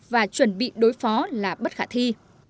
và chuẩn bị đối phó là bất khả thi